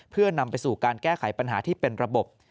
เพื่อนำไปสู่การแก้ไขปัญหาที่เป็นระบบ